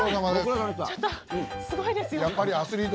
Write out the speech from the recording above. すごいですよ。